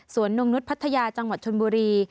นงนุษย์พัทยาจังหวัดชนบุรี